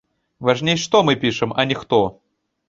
Важней, што мы пішам, а не хто.